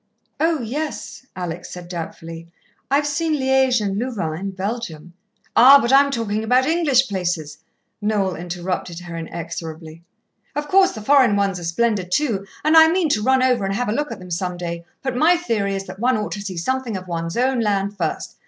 "Oh, yes," Alex said doubtfully; "I've seen Liège and Louvain, in Belgium " "Ah, but I'm talking about English places," Noel interrupted her inexorably. "Of course the foreign ones are splendid too, and I mean to run over and have a look at them some day, but my theory is that one ought to see something of one's own land first.